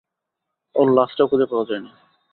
ওর লাশটাও খুঁজে পাওয়া যায়নি।